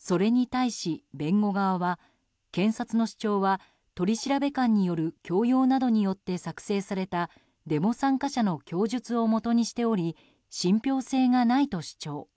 それに対し弁護側は検察の主張は取調官による強要などによって作成されたデモ参加者の供述をもとにしており信憑性がないと主張。